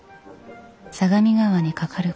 相模川に架かる